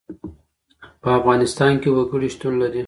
په افغانستان کې وګړي شتون لري.